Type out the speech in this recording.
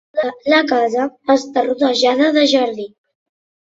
La casa està rodejada de jardí.